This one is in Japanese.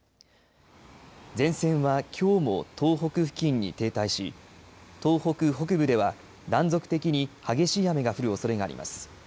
前線は、きょうも東北付近に停滞し東北北部では断続的に激しい雨が降るおそれがあります。